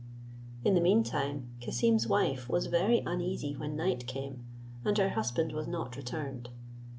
In the mean time, Cassim's wife was very uneasy when night came, and her husband was not returned.